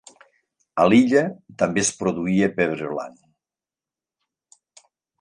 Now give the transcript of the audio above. A l'illa també es produïa pebre blanc.